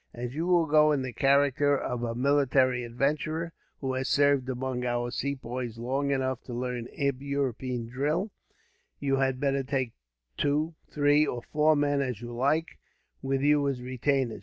"As you will go in the character of a military adventurer, who has served among our Sepoys long enough to learn European drill, you had better take two, three, or four men, as you like, with you as retainers.